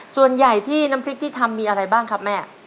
ส่วนใหญ่ที่น้ำพริกที่ทำมีอะไรบ้างครับแม่